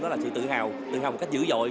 đó là sự tự hào tự hào một cách dữ dội